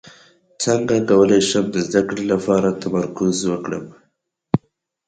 څنګه کولی شم د زده کړې لپاره تمرکز وکړم